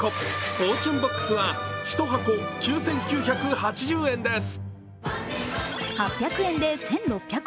フォーチュンボックスは１箱９９８０円です。